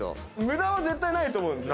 無駄は絶対ないと思うので。